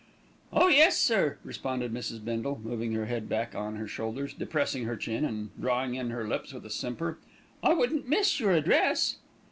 "Oh, yes, sir," responded Mrs. Bindle, moving her head back on her shoulders, depressing her chin and drawing in her lips with a simper. "I wouldn't miss your address."